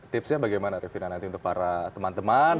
tipsnya bagaimana revina nanti untuk para teman teman